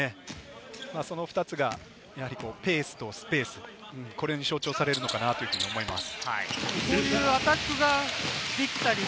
その２つがペースとスペース、これに象徴されるのかなと思います。